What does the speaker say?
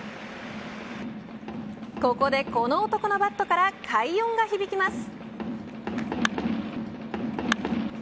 ここでこの男のバットから快音が響きます。